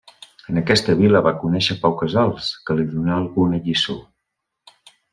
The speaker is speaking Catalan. En aquesta vila va conèixer Pau Casals que li donà alguna lliçó.